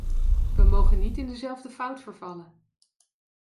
We mogen niet in dezelfde fout vervallen.